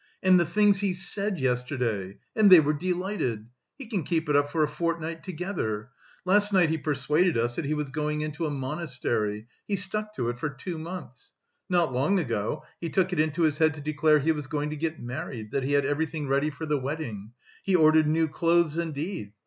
And the things he said yesterday! And they were delighted! He can keep it up for a fortnight together. Last year he persuaded us that he was going into a monastery: he stuck to it for two months. Not long ago he took it into his head to declare he was going to get married, that he had everything ready for the wedding. He ordered new clothes indeed.